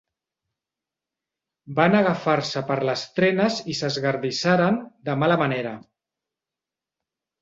Van agafar-se per les trenes i s'esgardissaren de mala manera.